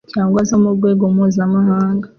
cyangwa zo mu rwego mpuzamahanga